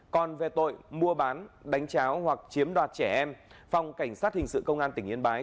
còn về tội mua bán đánh cháo hoặc chiếm đoạt trẻ em phòng cảnh sát hình sự công an tỉnh yên bái